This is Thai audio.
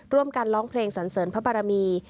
ร่วมกันร้องเพลงสันเสริมพระบรมี